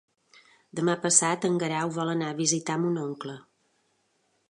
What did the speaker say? Demà passat en Guerau vol anar a visitar mon oncle.